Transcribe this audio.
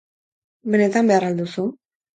Benetan behar al duzu?